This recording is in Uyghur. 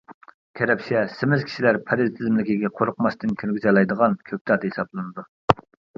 كەرەپشە سېمىز كىشىلەر پەرھىز تىزىملىكىگە قورقماستىن كىرگۈزەلەيدىغان كۆكتات ھېسابلىنىدۇ.